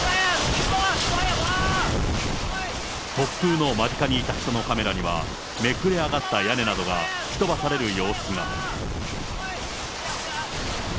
突風の間近にいた人のカメラには、めくれ上がった屋根などが吹き飛ばされる様子が。